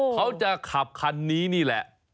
เขาจะขับคันนี้นี่แหละ